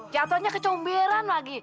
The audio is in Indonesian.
jatuhnya kecomberan lagi